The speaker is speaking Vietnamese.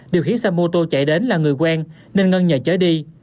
điều khiến xe mô tô chạy đến là người quen nên ngân nhờ chở đi